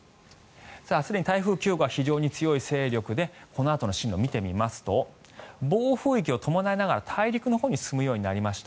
すでに台風９号は非常に強い勢力でこのあとの進路を見てみますと暴風域を伴いながら大陸のほうに進ようになりました。